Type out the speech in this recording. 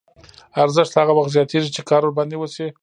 ارزښت هغه وخت زیاتېږي چې کار ورباندې وشي